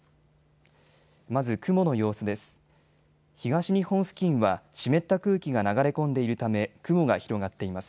まず雲の様子です。